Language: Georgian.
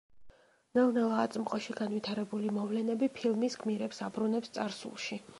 ნელ-ნელა აწმყოში განვითარებული მოვლენები ფილმის გმირებს აბრუნებს წარსულში.